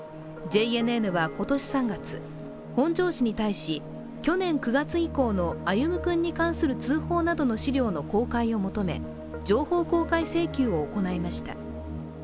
ＪＮＮは今年３月、本庄市に対し、去年９月以降の歩夢君に対する通報などの資料の公開を求め情報公開請求を行いました。